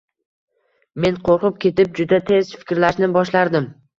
Men qoʻrqib ketib, juda tez fikrlashni boshlardim: